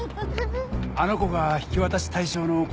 あの子が引き渡し対象のお子さんだね。